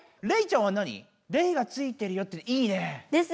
レイちゃんはなに「レイがついてるよ」っていいね。